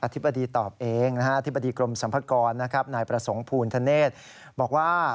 อธิบดีตอบเองอธิบดีกรมสัมพักรณ์นายประสงค์ภูณธเนธบอกว่า